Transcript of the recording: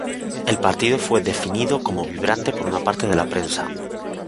El partido fue definido como vibrante por una parte de la prensa.